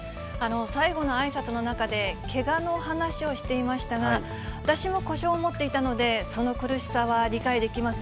最後のあいさつの中で、けがの話をしていましたが、私も故障を持っていたので、その苦しさは理解できます。